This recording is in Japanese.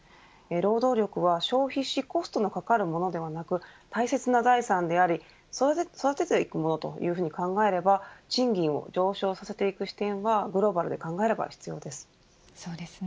労働力は消費しコストがかかるものではなく大切な財産であり育てていくものと考えれば賃金を上昇させていく視点はグローバルで考えれば必要です。